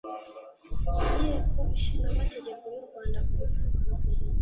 inteko ishinga amategeko y'u Rwanda kuva